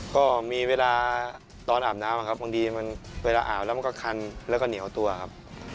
ก็มีเวลาตอนอาบน้ำครับบางทีมันเวลาอาบแล้วมันก็คันแล้วก็เหนียวตัวครับ